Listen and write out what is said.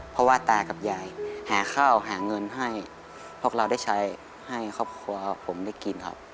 เพราะว่าตากับยายหาข้าวหาเงินให้พวกเราได้ใช้ให้ครอบครัวผมได้กินครับ